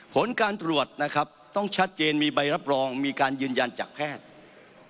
ผลการตรวจนะครับต้องชัดเจนมีใบรับรองมีการยืนยันจากแพทย์